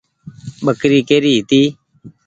ٻڪري ڪيري هيتي۔